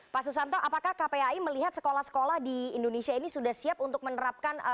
pak susanto apakah kpai melihat sekolah sekolah di indonesia ini sudah siap untuk menerapkan